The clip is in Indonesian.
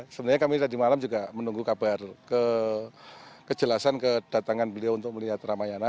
sebenarnya kami tadi malam juga menunggu kabar kejelasan kedatangan beliau untuk melihat ramayana